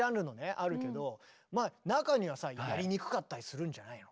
あるけど中にはさやりにくかったりするんじゃないの？